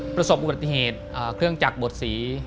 ประสบอุบัติเหตุเครื่องจักรบดสี